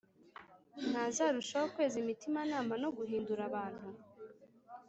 ntazarushaho kweza imitimanama no guhindura abantu